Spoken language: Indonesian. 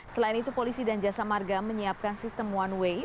selain itu polisi dan jasa marga menyiapkan sistem one way